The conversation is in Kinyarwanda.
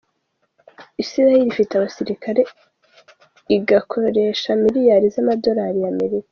Isirayeri ifite abasirikari igakotresha miliyali z’amadolari ya Amerika.